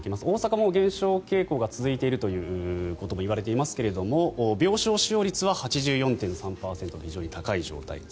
大阪も減少傾向が続いているということも言われていますが病床使用率は８４．３％と非常に高い状態。